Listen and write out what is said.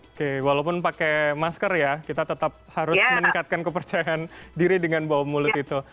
oke walaupun pakai masker ya kita tetap harus meningkatkan kepercayaan diri dengan bau mulut itu